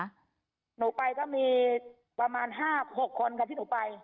หนูไปก็มีประมาณ๕๖คนค่ะที่หนูไป